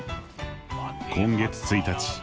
今月１日。